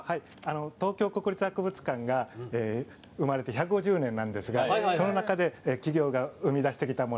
東京国立博物館が生まれて１５０年なんですがその中で企業が生み出してきたもの